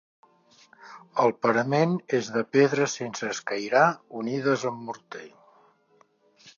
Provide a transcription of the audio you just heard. El parament és de pedres sense escairar unides amb morter.